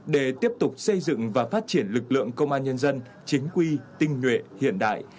để tiếp tục xây dựng và phát triển lực lượng công an nhân dân chính quy tinh nhuệ hiện đại